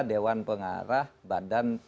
dewan pengarah badan